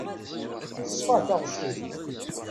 Teṣfa taɣect-im.